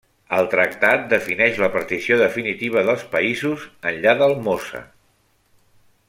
El tractat defineix la partició definitiva dels Països enllà del Mosa.